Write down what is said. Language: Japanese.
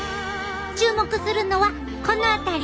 注目するのはこの辺り。